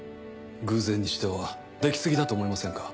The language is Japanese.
偶然にしては出来過ぎだと思いませんか？